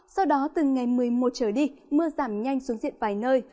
sau đó từ ngày một mươi một trở đi mưa giảm nhanh xuống diện vài nơi